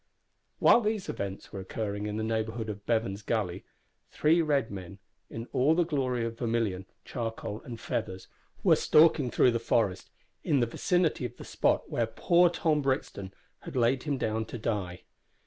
While these events were occurring in the neighbourhood of Bevan's Gully, three red men, in all the glory of vermilion, charcoal, and feathers, were stalking through the forest in the vicinity of the spot where poor Tom Brixton had laid him down to die.